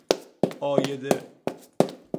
عایده